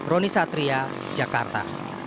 roni satria jakarta